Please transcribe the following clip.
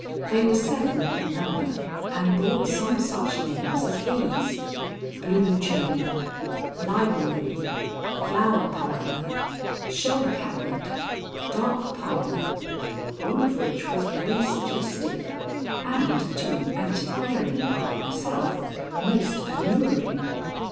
They were seven in number, and bore some such names as these: "Blue Chamber," "Library," "Flower Parlor," "Shell Cabinet," "Dark Parlor" all of which was very suggestive, and, to an antiquarian like myself, most alluring.